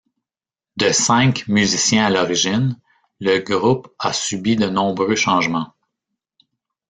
De cinq musiciens à l'origine, le groupe a subi de nombreux changements.